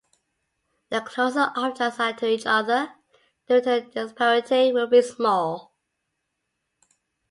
The closer objects are to each other, the retinal disparity will be small.